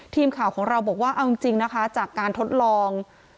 ทีมข่าวของเราบอกว่าเอาจริงนะคะจากการทดลอง